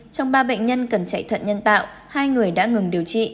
trong ba bệnh nhân cần chạy thận nhân tạo hai người đã ngừng điều trị